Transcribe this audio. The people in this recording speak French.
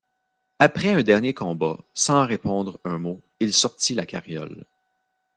Après un dernier combat, sans répondre un mot, il sortit la carriole.